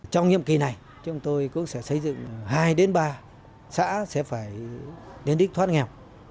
trong nhiệm kỳ này chúng tôi cũng sẽ xây dựng hai đến ba xã sẽ phải đến đích thoát nghèo